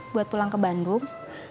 buat pulang ke bandung